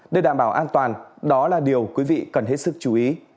để đảm bảo an toàn đó là điều quý vị cần hết sức chú ý